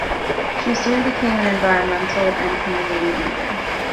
She soon became an environmental and community leader.